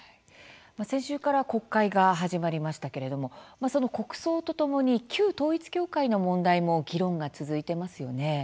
先週から国会が始まりましたけれども国葬とともに旧統一教会の問題も議論が続いていますよね。